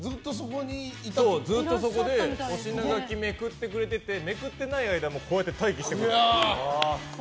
そこでお品書きめくってくれててめくってない間もこうやって待機してくれてた。